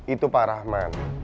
itu pak rahmat